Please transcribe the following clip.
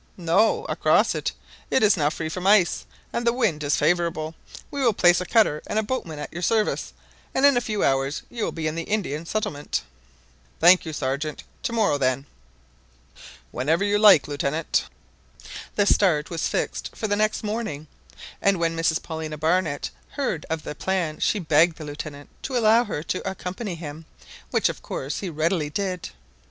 "No, across it; it is now free from ice, and the wind is favourable. We will place a cutter and a boatman at your service, and in a few hours you will be in the Indian settlement." "Thank you, Sergeant; to morrow, then." Whenever you like, Lieutenant." The start was fixed for the next morning; and when Mrs Paulina Barnett heard of the plan, she begged the Lieutenant to allow her to accompany him, which of course he readily did.